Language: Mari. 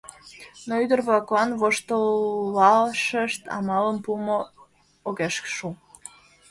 Но ӱдыр-влаклан воштылашышт амалым пуымо огеш шу.